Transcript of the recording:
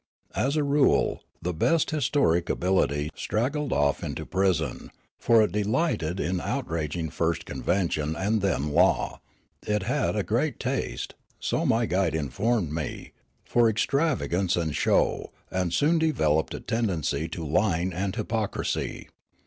As a rule the best histrionic ability straggled off into prison, for it de lighted in outraging first convention and then law ; it had a great ta.ste, so my guide informed me, for extravagance and show, and soon developed a tendency to lying and hypocrisy.